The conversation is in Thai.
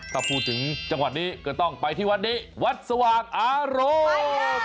ถ้าพูดถึงจังหวัดนี้ก็ต้องไปที่วัดนี้วัดสว่างอารมณ์